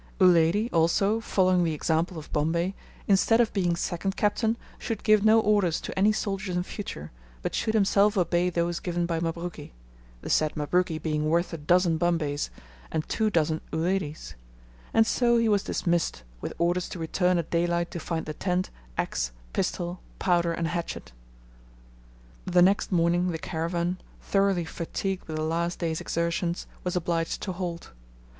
Uledi, also, following the example of Bombay, instead of being second captain, should give no orders to any soldiers in future, but should himself obey those given by Mabruki the said Mabruki being worth a dozen Bombays, and two dozen Uledis; and so he was dismissed with orders to return at daylight to find the tent, axe, pistol, powder, and hatchet. The next morning the caravan, thoroughly fatigued with the last day's exertions, was obliged to halt.